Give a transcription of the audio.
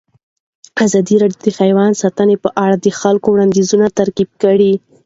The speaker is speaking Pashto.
ازادي راډیو د حیوان ساتنه په اړه د خلکو وړاندیزونه ترتیب کړي.